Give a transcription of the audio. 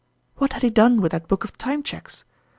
What had he done with that book of Time Cheques?